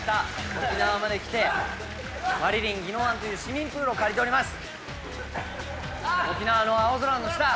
沖縄まで来てまりりんぎのわんという市民プールを借りております。